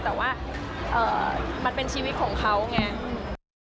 แต่ว่ามันเป็นชีวิตของเขาไง